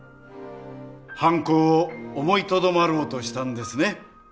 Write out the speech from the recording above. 犯行を思いとどまろうとしたんですね。